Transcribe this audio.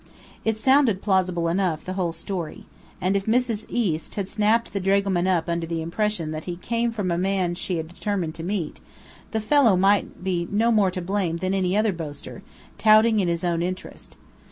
It sounded plausible enough, the whole story. And if Mrs. East had snapped the dragoman up under the impression that he came from a man she had determined to meet, the fellow might be no more to blame than any other boaster, touting in his own interest.